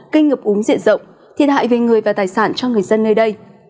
kinh ngập úng diện rộng thiệt hại về người và tài sản cho người dân nơi đây